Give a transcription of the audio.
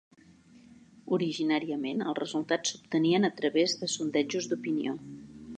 Originàriament els resultats s'obtenien a través de sondejos d'opinió.